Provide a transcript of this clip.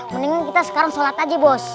mendingan kita sekarang sholat taji bos